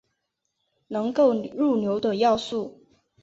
能够入流的要素。